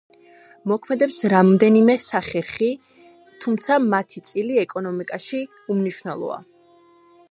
მოქმედებს რამდენიმე სახერხი, თუმცა მათი წილი ეკონომიკაში უმნიშვნელოა.